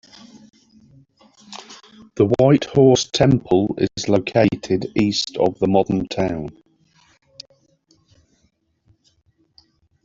The White Horse Temple is located east of the modern town.